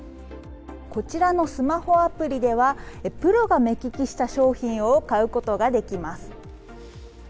こちらのスマホアプリではプロが目利きした商品を買うことができます。